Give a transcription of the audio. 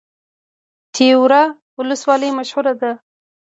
تیوره ولسوالۍ مشهوره ده؟